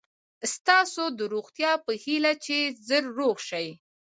ستاسو د روغتیا په هیله چې ژر روغ شئ.